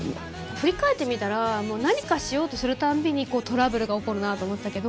振り返ってみたら何かしようとするたびにトラブルが起こるなと思ってたけど。